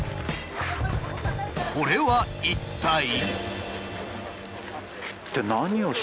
これは一体。